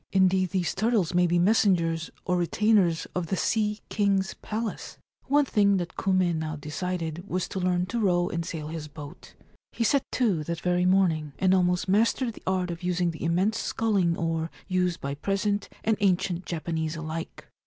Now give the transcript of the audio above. Indeed, these turtles may be messengers or retainers of the Sea King's Palace !' 171 Ancient Tales and Folklore of Japan One thing that Kume now decided was to learn to row and sail his boat. He set to that very morning, and almost mastered the art of using the immense sculling oar used by present and ancient Japanese alike.